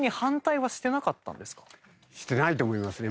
してないと思いますね。